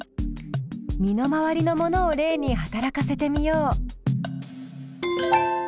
身の回りのものを例に働かせてみよう。